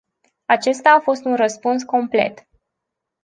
Acesta a fost un răspuns complet.